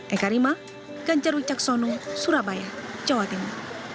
eka rima gancerwik caksono surabaya jawa timur